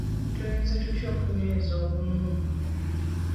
Tuyinza tutya okunyeza obumu?